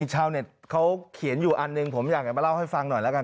ชาวเน็ตเขาเขียนอยู่อันหนึ่งผมอยากจะมาเล่าให้ฟังหน่อยแล้วกัน